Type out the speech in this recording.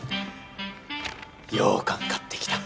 ようかん買ってきた。